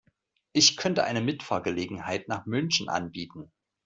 Ich könnte eine Mitfahrgelegenheit nach München anbieten